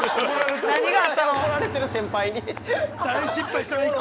怒られてる、先輩に。